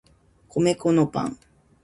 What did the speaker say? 米粉のパン